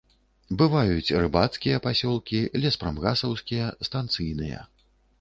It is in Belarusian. Бываюць рыбацкія пасёлкі, леспрамгасаўскія, станцыйныя.